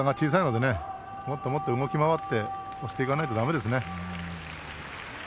照強はもっともっと動き回って押していかなければだめですね。